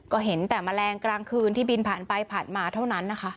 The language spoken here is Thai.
ก็เห็นแต่แมลงกลางคืนที่บินผ่านไปผ่านมาเท่านั้นนะคะ